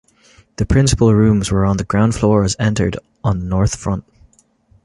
The principal rooms were on the ground floor as entered on the north front.